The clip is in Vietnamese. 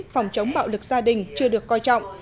phòng chống bạo lực gia đình chưa được coi trọng